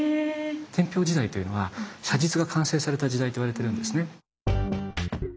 天平時代というのは写実が完成された時代といわれてるんですね。